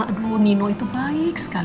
aduh nino itu baik sekali